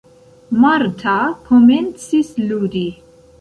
Marta komencis ludi.